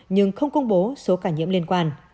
nhưng không công bố số ca nhiễm liên quan